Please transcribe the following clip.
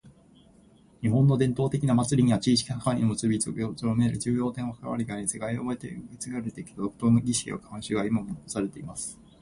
•「日本の伝統的な祭りには、地域社会の結びつきを強める重要な役割があり、世代を超えて受け継がれてきた独特の儀式や慣習が今も残されています。」